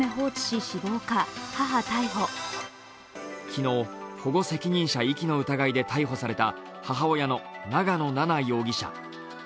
昨日、保護責任者遺棄の疑いで逮捕された母親の長野奈々容疑者。